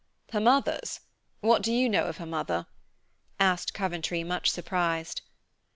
"Her mother's! What do you know of her mother?" asked Coventry, much surprised.